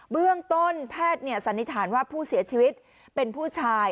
เบื้องต้นแพทย์สันนิษฐานว่าผู้เสียชีวิตเป็นผู้ชาย